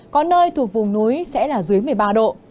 có nơi thuộc vùng núi sẽ là dưới một mươi ba độ